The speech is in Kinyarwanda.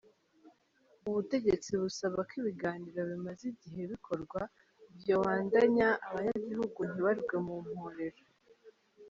Ubutegetsi busaba ko ibiganiro bimaze igihe bikorwa vyobandanya, abanyagihugu ntibarwe mu mporero.